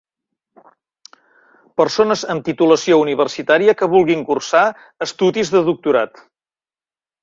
Persones amb titulació universitària que vulguin cursar estudis de doctorat.